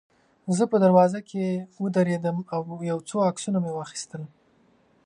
زه په دروازه کې ودرېدم او یو څو عکسونه مې واخیستل.